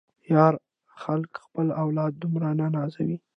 ياره خلک خپل اولاد دومره نه نازوي.